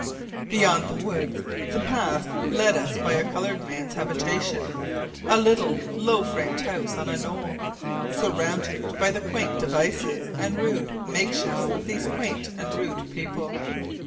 Beyond the woods, the path led us by a colored man's habitation, a little, low frame house, on a knoll, surrounded by the quaint devices and rude makeshifts of these quaint and rude people.